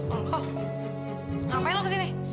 oh apaan lo kesini